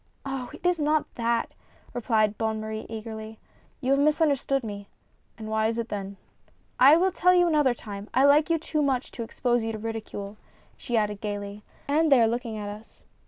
" Oh ! it is not that," replied Bonne Marie eagerly ;" you have misunderstood me." " And why is it then ?"" I will tell you another time — I like you too much to expose you to ridicule," she added gayly — "and they are looking at us."